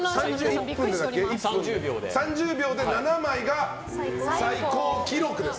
３０秒で７枚が最高記録です。